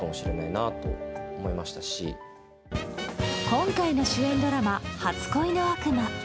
今回の主演ドラマ「初恋の悪魔」。